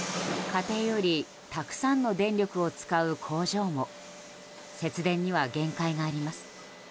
家庭よりたくさんの電力を使う工場も節電には限界があります。